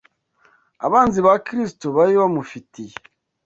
abanzi ba Kristo bari bamufitiye